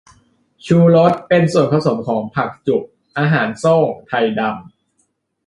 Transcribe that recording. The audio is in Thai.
ชูรส เป็นส่วนผสมของ ผักจุบ อาหารโซ่ง ไทดำ